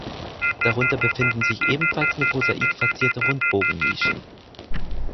Darunter befinden sich ebenfalls mit Mosaik verzierte Rundbogennischen.